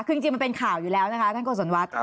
คือจริงมันเป็นข่าวอยู่แล้วนะคะท่านโกศลวัฒน์